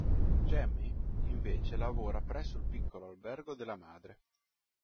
Jamie, invece lavora presso il piccolo albergo della madre.